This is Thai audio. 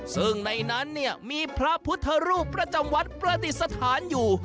ซึ่งในนั้นมีพระพุทธรูประจำวัดประติศาสตร์อยู่